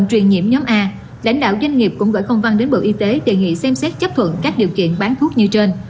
trước đó bộ y tế tp hcm đã gửi công văn đến bộ y tế đề nghị xem xét chấp thuận các điều kiện bán thuốc như trên